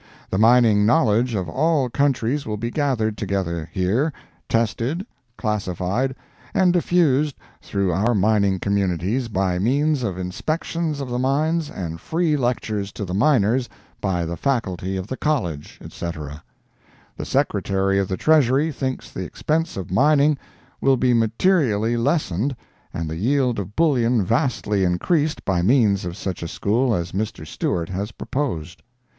The mining knowledge of all countries will be gathered together here, tested, classified, and diffused through our mining communities by means of inspections of the mines and free lectures to the miners by the faculty of the college, etc. The Secretary of the Treasury thinks the expense of mining will be materially lessened and the yield of bullion vastly increased by means of such a school as Mr. Stewart has proposed.